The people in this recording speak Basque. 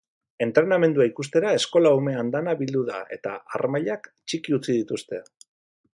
Entrenamendua ikustera eskola-ume andana bildu da eta harmailak txiki utzi dituzte.